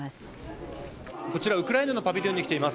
こちら、ウクライナのパビリオンに来ています。